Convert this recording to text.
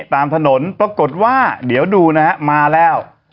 ตามถนนปรากฏว่าเดี๋ยวดูนะฮะมาแล้ว